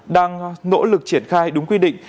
đang nỗ lực triển khai đúng quy định